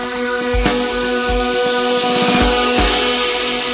สวัสดีครับ